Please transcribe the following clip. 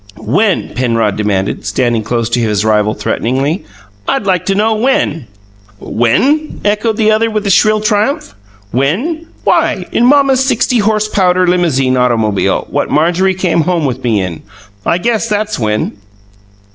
"When?" Penrod demanded, stepping close to his rival threateningly. "I'd like to know when " "When?" echoed the other with shrill triumph. "When? Why, in mamma's sixty horse powder limousine automobile, what Marjorie came home with me in! I guess that's when!"